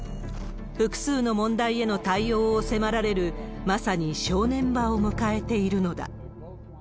複数の問題への対応を迫られる、まさに正念場を迎えているのだ。